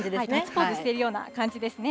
ポーズしてるような感じですね。